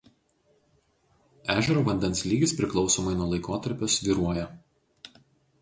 Ežero vandens lygis priklausomai nuo laikotarpio svyruoja.